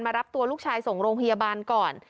รับตัวลูกชายส่งโรงพยาบาลก่อน